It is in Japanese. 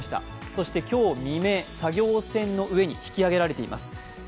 そして今日未明、作業船の上に引き揚げられています。